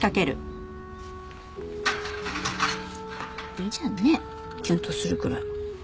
いいじゃんねキュンとするくらい。